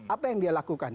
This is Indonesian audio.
apa yang dia lakukan